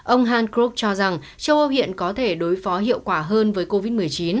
ông hankr cho rằng châu âu hiện có thể đối phó hiệu quả hơn với covid một mươi chín